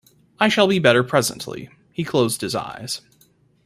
I shall be better presently.’ He closed his eyes.